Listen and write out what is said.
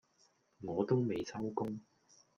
我都未收工